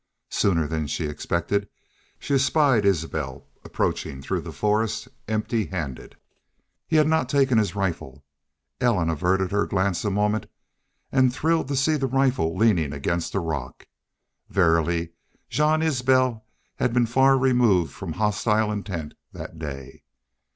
Sooner than she expected she espied Isbel approaching through the forest, empty handed. He had not taken his rifle. Ellen averted her glance a moment and thrilled to see the rifle leaning against a rock. Verily Jean Isbel had been far removed from hostile intent that day.